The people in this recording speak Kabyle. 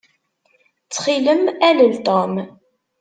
Ttxil-m, alel Tom.